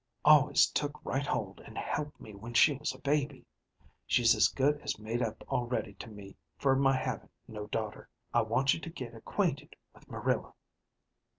"Always took right hold and helped me when she was a baby. She's as good as made up already to me for my having no daughter. I want you to get acquainted with Marilla."